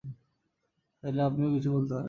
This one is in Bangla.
চাইলে আপনিও কিছু বলতে পারেন।